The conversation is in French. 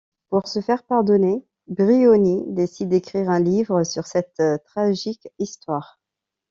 Pour se faire pardonner, Briony décide d'écrire un livre sur cette tragique histoire.